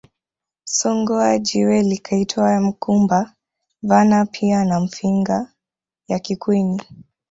Songoa jiwe likaitwa mkumba vana pia na Mfinga ya Kikweni